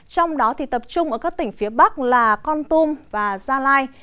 trong đó thì tập trung ở các tỉnh phía bắc là con tum và gia lai